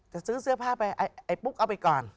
ซื้อเสื้อผ้าไปไอ้ปุ๊กเอาไปก่อน